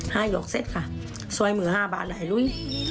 ห้ายหยอกเซ็ตค่ะซอยมือ๕บาทหลายลุ้ย